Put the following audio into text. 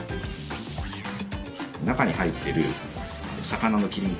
中に入っている魚の切り身。